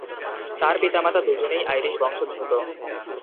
তার পিতামাতা দুজনেই আইরিশ বংশোদ্ভূত।